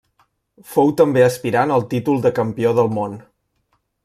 Fou també aspirant al títol de campió del món.